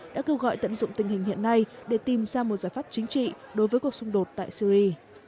đã kêu gọi tận dụng tình hình hiện nay để tìm ra một giải pháp chính trị đối với cuộc xung đột tại syri